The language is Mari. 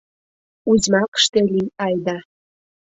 Узьмакыште лий айда.